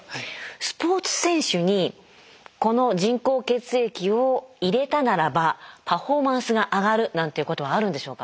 スポーツ選手にこの人工血液を入れたならばパフォーマンスが上がるなんていうことはあるんでしょうか？